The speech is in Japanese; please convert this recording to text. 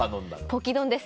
ポキ丼です。